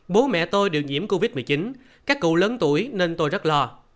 bố mẹ tôi đều nhiễm covid một mươi chín các cụ lớn tuổi nên tôi rất lo